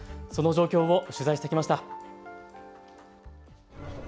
その状況を取材してきました。